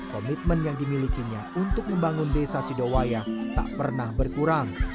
komitmen yang dimilikinya untuk membangun desa sidowaya tak pernah berkurang